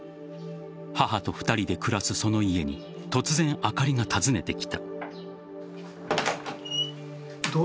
母と２人で暮らすその家に突然、あかりが訪ねてきた。